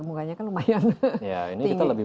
bunganya kan lumayan tinggi ya ini kita lebih